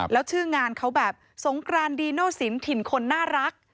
แล้วชื่องานเขาแบบสงกรานดีโนสินถิ่นคนน่ารัก